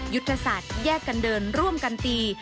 ยุทธศาสตร์แยกกันเดินร่วมกันตี